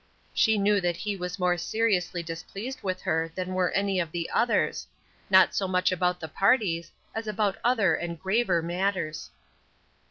She knew that he was more seriously displeased with her than were any of the others; not so much about the parties as about other and graver matters.